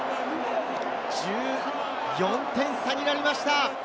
１４点差になりました。